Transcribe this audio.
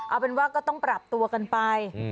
เอาเป็นว่าก็ต้องปรับตัวกันไป